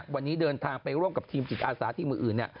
วันนี้เดินทางไปร่วมกับทีมจิตอาสาทีมอื่น